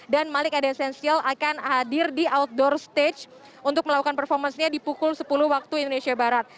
dan malik adesensial akan hadir di outdoor stage untuk melakukan performance nya di pukul sepuluh waktu indonesia barat